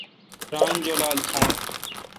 ران جولال تھون۔